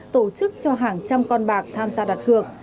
tổ chức cho hàng trăm con bạc tham gia đoạt cược